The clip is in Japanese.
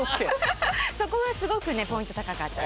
そこはすごくねポイント高かったです。